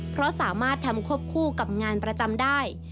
เพราะสามารถทำควบคู่กับงานประจำได้